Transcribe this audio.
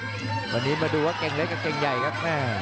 ในวันนี้มาดูว่าเกิ่งแรกแก่เก่งใยครับ